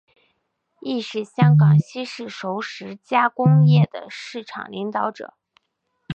亦是香港西式熟食加工业的市场领导者。